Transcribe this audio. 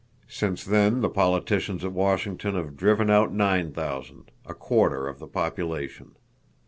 Since then the politicians at Washington have driven out nine thousand, a quarter of the population.